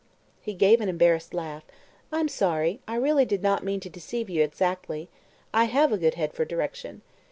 He gave an embarrassed laugh. "I'm sorry I really did not mean to deceive you exactly. I have a good head for 'direction.'"